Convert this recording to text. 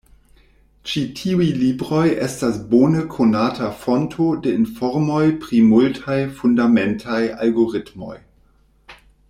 Ĉi tiuj libroj estas bone konata fonto de informoj pri multaj fundamentaj algoritmoj.